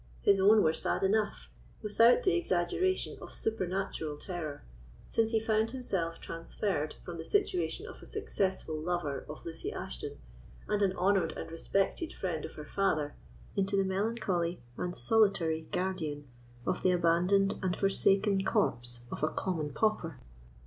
His own were sad enough, without the exaggeration of supernatural terror, since he found himself transferred from the situation of a successful lover of Lucy Ashton, and an honoured and respected friend of her father, into the melancholy and solitary guardian of the abandoned and forsaken corpse of a common pauper.